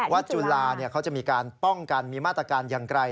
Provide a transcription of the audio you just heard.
จุฬาเขาจะมีการป้องกันมีมาตรการอย่างไร